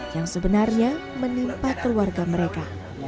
yang sebenarnya menimpa keluarga mereka